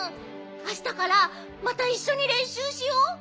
あしたからまたいっしょにれんしゅうしよう。